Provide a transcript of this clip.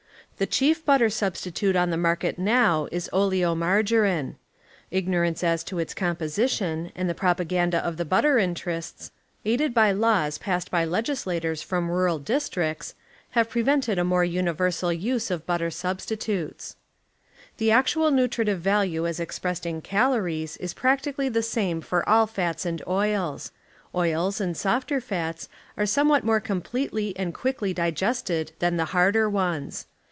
The eliief butter substitute r, on the market now is oleomargarine. Iffnorance BuHer ^^,. as to its eomjiosition and the propaganda of the ,. butter interests, aided by laws passed hj legis lators from rural districts, have prevented a more universal use of butter substitutes. The actual nutritive value as ex})ressed in calories is prac tically the same for all fats and oils. Oils and softer fats are somewhat more completely and quickly digested than the harder ones.